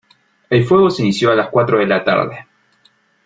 El fuego se inició a las cuatro de la tarde.